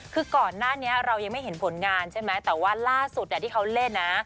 คือก่อนหน้านี้เรายังไม่เห็นผลงานใช่ไหมแต่ว่าล่าสุดที่เขาเล่นนะ